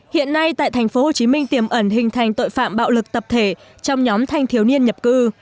hiện nay tại tp hcm tiềm ẩn hình thành tội phạm bạo lực tập thể trong nhóm thanh thiếu niên nhập cư